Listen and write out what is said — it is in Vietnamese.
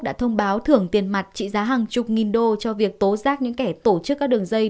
đã thông báo thưởng tiền mặt trị giá hàng chục nghìn đô cho việc tố giác những kẻ tổ chức các đường dây